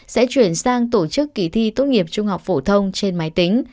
sẽ chuyển sang tổ chức kỳ thi tốt nghiệp trung học phổ thông trên máy tính